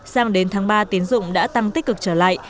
sang đến tháng ba tín dụng đã tăng tích cực trở lại